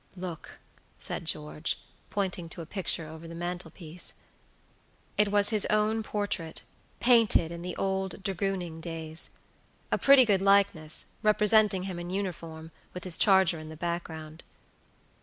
"Look!" said George, pointing to a picture over the mantelpiece. It was his own portrait, painted in the old dragooning days. A pretty good likeness, representing him in uniform, with his charger in the background.